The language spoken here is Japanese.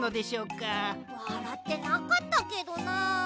わらってなかったけどな。